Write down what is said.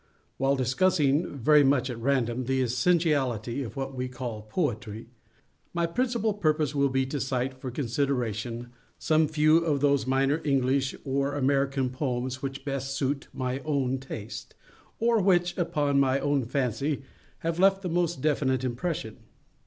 While discussing, very much at random, the essentiality of what we call Poetry, my principal purpose will be to cite for consideration, some few of those minor English or American poems which best suit my own taste, or which, upon my own fancy, have left the most definite impression.